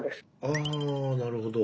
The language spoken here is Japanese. あなるほど。